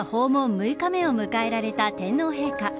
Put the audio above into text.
６日目を迎えられた天皇陛下。